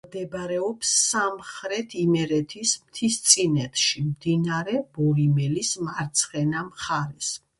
მდებარეობს სამხრეთ იმერთის მთისწინეთში მდინარე ბორიმელის მარცხენა მხარეს.